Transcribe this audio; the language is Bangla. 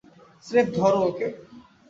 স্রেফ ধরো ওকে!